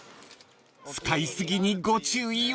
［使い過ぎにご注意を］